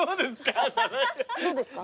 「どうですか？」